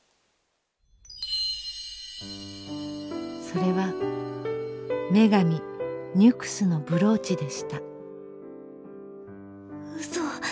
それは女神ニュクスのブローチでした。